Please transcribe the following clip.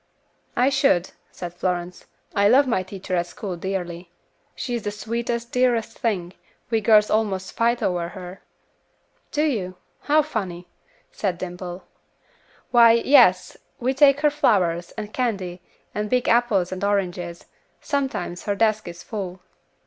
"I should," said Florence. "I love my teacher at school dearly; she is the sweetest, dearest thing, we girls almost fight over her." "Do you? How funny," said Dimple. "Why, yes, we take her flowers, and candy, and big apples and oranges; sometimes her desk is full."